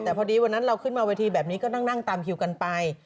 แต่พอดีวันนั้นเราขึ้นมาเวทีแบบนี้ก็นั่งตามคิวกันไป